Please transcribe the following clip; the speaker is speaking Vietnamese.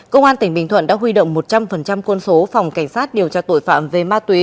công an tỉnh bình thuận đã huy động một trăm linh quân số phòng cảnh sát điều tra tội phạm về ma túy